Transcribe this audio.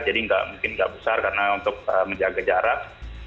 jadi mungkin tidak besar karena untuk menjaga jarak